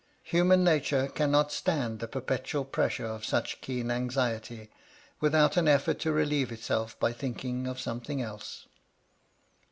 Human nature cannot stand the perpetual pressure of such keen anxiety, without an effort to relieve itself by thinking of something else.